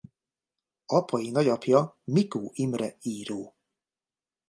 Apai nagyapja Mikó Imre író.